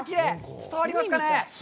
伝わりますかね？